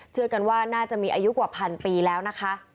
เชื่อกันว่าน่าจะมีอายุกว่าพันปีแล้วนะคะ